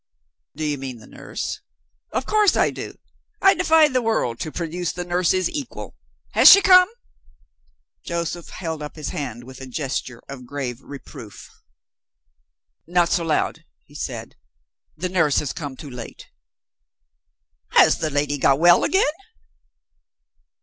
"Do you mean the nurse?" "Of course I do! I defy the world to produce the nurse's equal. Has she come?" Joseph held up his hand with a gesture of grave reproof. "Not so loud," he said. "The nurse has come too late." "Has the lady got well again?"